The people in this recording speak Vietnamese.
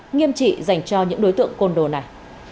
nghiêm trị dành cho những đối tượng côn đồ này